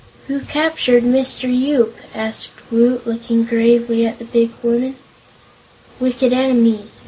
"Who captured Mr. Yoop?" asked Woot, looking gravely at the big woman. "Wicked enemies.